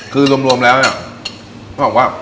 คือรวมแล้วเนี่ย